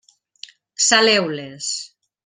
Saleu-les.